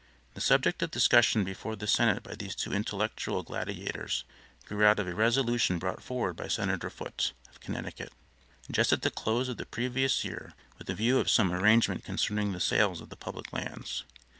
The subject of discussion before the senate by these two intellectual gladiators grew out of a resolution brought forward by Senator Foot, of Connecticut, just at the close of the previous year with a view of some arrangement concerning the sales of the public lands.